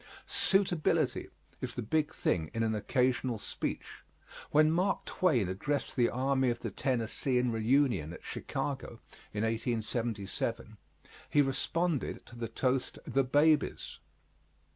Suitability is the big thing in an occasional speech. When Mark Twain addressed the Army of the Tennessee in reunion at Chicago, in 1877, he responded to the toast, "The Babies."